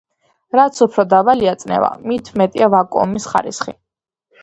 რაც უფრო დაბალია წნევა, მით მეტია ვაკუუმის ხარისხი.